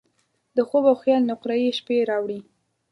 د خوب او خیال نقرهيي شپې راوړي